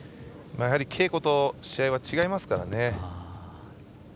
稽古と試合は違いますからね。